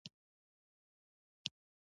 د دغه ولایت نږدې سیمو ته به کله کله تلم.